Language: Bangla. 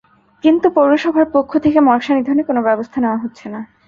কিন্তু পৌরসভার পক্ষ থেকে মশা নিধনে কোনো ব্যবস্থা নেওয়া হচ্ছে না।